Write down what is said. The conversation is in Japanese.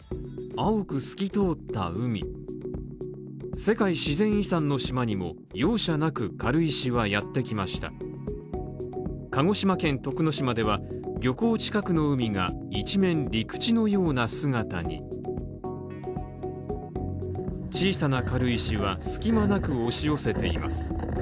青く透き通った海世界自然遺産の島にも容赦なく軽石はやってきました鹿児島県徳之島では漁港近くの海が一面陸地のような姿に小さな軽石は隙間なく押し寄せています。